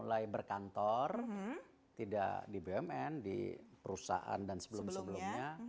tidak di berkantor tidak di bumn di perusahaan dan sebelumnya